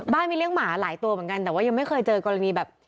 มีเลี้ยงหมาหลายตัวเหมือนกันแต่ว่ายังไม่เคยเจอกรณีแบบ